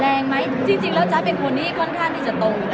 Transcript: แรงไหมจริงเท่านั้นจะเป็นคนคนที่ตรง